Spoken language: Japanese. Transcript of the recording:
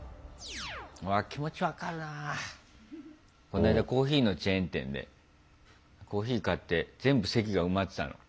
この間コーヒーのチェーン店でコーヒー買って全部席が埋まってたの。